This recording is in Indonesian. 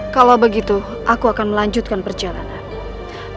kalau begitu aku akan melanjutkan perjalanan